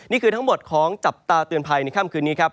นี่คือทั้งหมดของจับตาเตือนภัยในค่ำคืนนี้ครับ